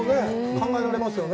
考えられますよね。